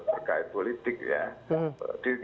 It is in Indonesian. berkait politik ya